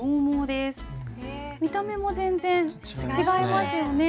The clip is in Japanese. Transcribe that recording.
見た目も全然違いますよね。